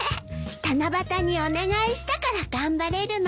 七夕にお願いしたから頑張れるの。